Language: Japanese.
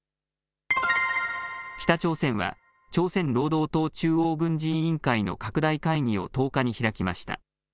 北朝鮮は朝鮮労働党中央軍事委員会の拡大会議を１０日に開きました。